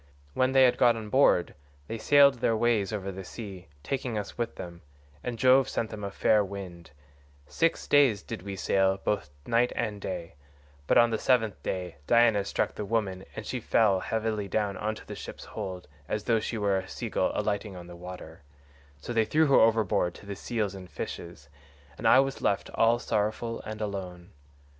When they had got on board they sailed their ways over the sea, taking us with them, and Jove sent then a fair wind; six days did we sail both night and day, but on the seventh day Diana struck the woman and she fell heavily down into the ship's hold as though she were a sea gull alighting on the water; so they threw her overboard to the seals and fishes, and I was left all sorrowful and alone.